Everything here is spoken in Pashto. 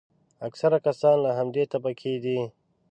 اکثره کسان له همدې طبقې دي.